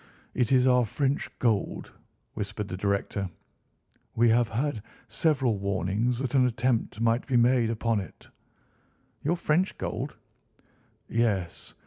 "It is our French gold," whispered the director. "We have had several warnings that an attempt might be made upon it." "Your French gold?" "Yes.